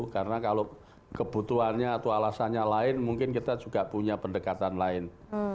karena kalau kebutuhannya atau alasannya lain mungkin kita juga punya pendekatan lain